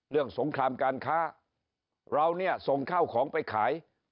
เรื่องสงครามการค้าเรานี่ส่งข้าวของไปขาย